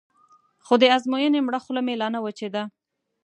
خو د ازموینې مړه خوله مې لا نه وچېده.